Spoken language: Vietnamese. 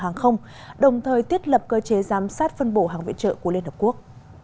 hàng không đồng thời thiết lập cơ chế giám sát phân bổ hàng viện trợ của liên hợp quốc